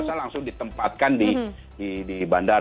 saya langsung ditempatkan di bandara